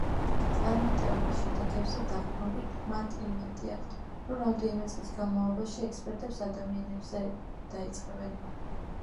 წარმატებულ შედეგებზე დაყრდნობით, მათ იმედი აქვთ, რომ რამდენიმე წლის განმავლობაში ექსპერიმენტებს ადამიანებზე დაიწყებენ.